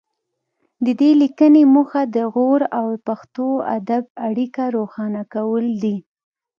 د دې لیکنې موخه د غور او پښتو ادب اړیکه روښانه کول دي